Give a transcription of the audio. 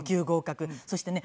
そしてね